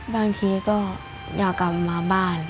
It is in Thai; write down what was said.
บางทีก็อยากกลับมาบ้าน